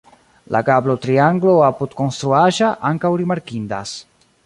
La gablotrianglo apudkonstruaĵa ankaŭ rimarkindas.